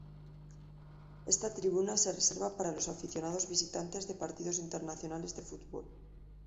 Esta tribuna se reserva para los aficionados visitantes de partidos internacionales de fútbol.